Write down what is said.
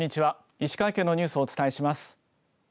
石川県のニュースをお伝えします。